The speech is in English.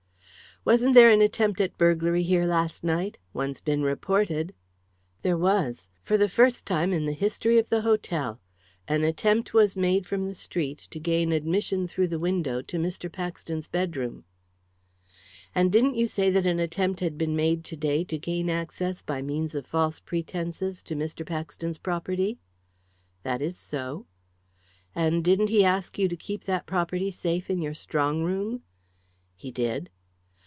"Wasn't there an attempt at burglary here last night? One's been reported." "There was. For the first time in the history of the hotel. An attempt was made from the street to gain admission through the window, to Mr. Paxton's bedroom." "And didn't you say that an attempt had been made to day to gain access, by means of false pretences, to Mr. Paxton's property?" "That is so." "And didn't he ask you to keep that property safe in your strong room?" "He did."